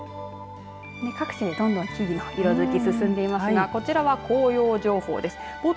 各地でどんどん木々の色づき進んでいますがこちらは紅葉情報です。